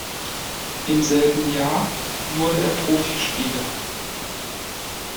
Im selben Jahr wurde er Profispieler.